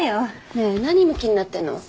ねえ何むきになってんの？